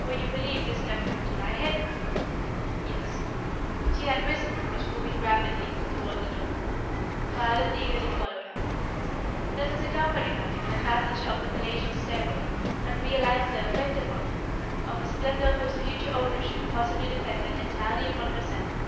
"Where you believe this document to lie hidden?" "Yes." "I am anxious to see the room. It is upstairs, I believe." "Yes." She had risen and was moving rapidly toward the door. Violet eagerly followed her. Let us accompany her in her passage up the palatial stairway, and realize the effect upon her of a splendour whose future ownership possibly depended entirely upon herself.